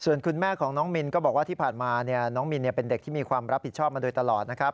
ส่วนคุณแม่ของน้องมินก็บอกว่าที่ผ่านมาน้องมินเป็นเด็กที่มีความรับผิดชอบมาโดยตลอดนะครับ